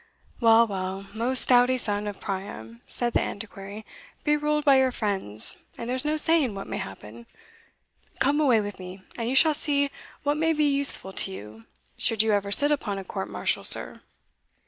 "Well, well, most doughty son of Priam," said the Antiquary, "be ruled by your friends, and there's no saying what may happen Come away with me, and you shall see what may be useful to you should you ever sit upon a court martial, sir."